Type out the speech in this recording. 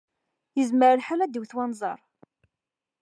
Yezmer lḥal ad d-iwet wenẓar.